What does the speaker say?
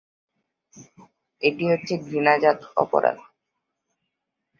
এটি হচ্ছে ঘৃণাজাত অপরাধ।